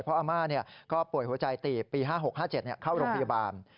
เพราะอาม่าก็ป่วยหัวใจตีบปี๕๖๕๗เข้าโรงพยาบาล